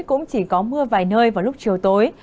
cũng chỉ có mưa vài nơi vào lúc chiều tối